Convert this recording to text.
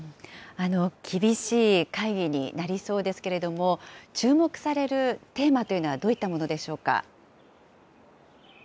厳しい会議になりそうですけれども、注目されるテーマというのはどういったものでしょうか。